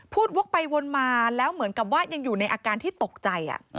วกไปวนมาแล้วเหมือนกับว่ายังอยู่ในอาการที่ตกใจ